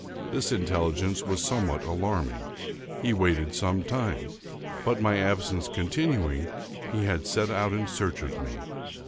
This intelligence was somewhat alarming. He waited some time; but, my absence continuing, he had set out in search of me.